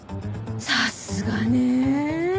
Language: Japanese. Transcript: さすがね！